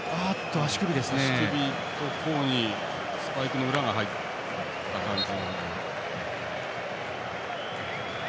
足首と甲にスパイクの裏が入った感じ。